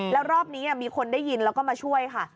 แล้วรอบนี้มีคนได้ยินแล้วก็มาช่วยค่ะ